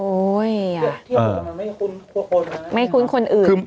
โอ้ยยยยไม่คุ้นคนอื่น